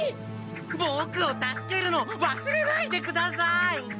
ボクを助けるの忘れないでください！